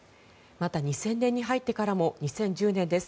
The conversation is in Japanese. また、２０００年に入ってからも２０１０年です。